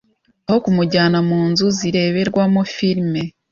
aho kumujyana mu nzu zireberwamo filime,